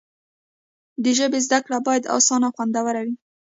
د ژبې زده کړه باید اسانه او خوندوره وي.